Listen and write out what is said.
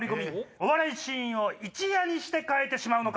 お笑いシーンを一夜にして変えてしまうのか？